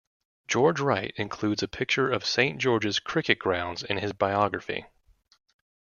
George Wright includes a picture of Saint George's cricket grounds in his biography.